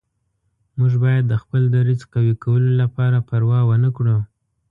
موږ باید د خپل دریځ قوي کولو لپاره پروا ونه کړو.